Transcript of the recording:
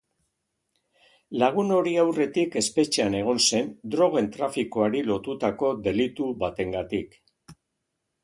Lagun hori aurretik espetxean egon zen drogen trafikoari lotutako delitu batengatik.